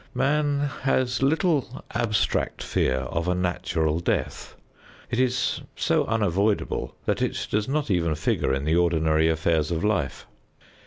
Man has little abstract fear of a natural death; it is so unavoidable that it does not even figure in the ordinary affairs of life.